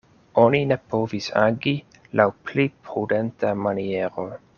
Oni ne povis agi laŭ pli prudenta maniero.